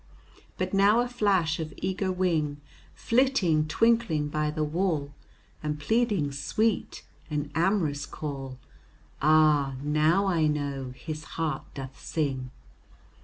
But now a flash of eager wing, Flitting, twinkling by the wall, And pleadings sweet and am'rous call, Ah, now I know his heart doth sing!